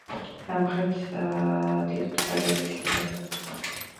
სამხრეთით მდგარი ეკლესიის დასავლეთ ფასადზე, შესასვლელის ზემოთ, მცირე ზომის სწორკუთხა ნიშაა.